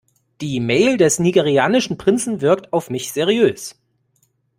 Die Mail des nigerianischen Prinzen wirkt auf mich seriös.